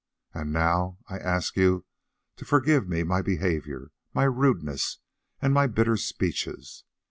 And now I ask you to forgive me my behaviour, my rudeness, and my bitter speeches.